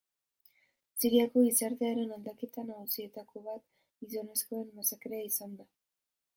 Siriako gizartearen aldaketa nagusietako bat gizonezkoen masakrea izan da.